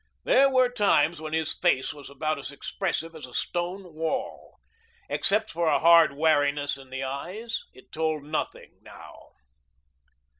There were times when his face was about as expressive as a stone wall. Except for a hard wariness in the eyes it told nothing now.